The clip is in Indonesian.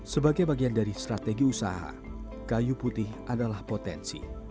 sebagai bagian dari strategi usaha kayu putih adalah potensi